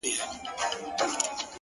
داسي محراب غواړم; داسي محراب راکه;